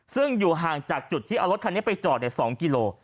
ซึ่งอยู่ห่างจากจุดที่เอารถคันนี้ไปจอด๒กิโล